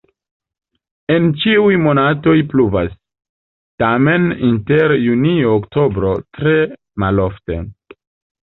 En ĉiuj monatoj pluvas, tamen inter junio-oktobro tre malofte.